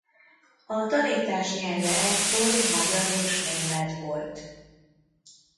A tanítás nyelve ekkor magyar és német volt.